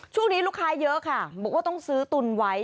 ช่วงนี้ลูกค้าเยอะค่ะบอกว่าต้องซื้อตุนไว้